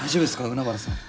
海原さん。